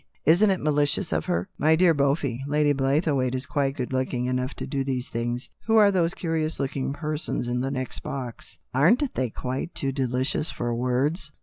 Isn't it malicious of her ?"" My dear boy, Lady Blaythewaite is quite good lookin' enough to do these things. Who are those curious looking persons in the next box ?" "Aren't they quite too delicious for words?"